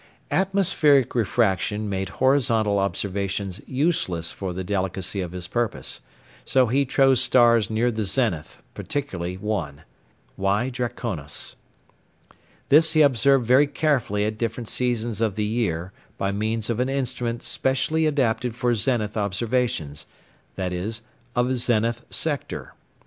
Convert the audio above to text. Atmospheric refraction made horizon observations useless for the delicacy of his purpose, so he chose stars near the zenith, particularly one [gamma] Draconis. This he observed very carefully at different seasons of the year by means of an instrument specially adapted for zenith observations, viz. a zenith sector.